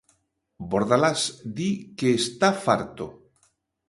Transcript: Bordalás di que está farto.